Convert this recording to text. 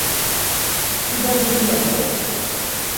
সিদা গুলি চালাতে।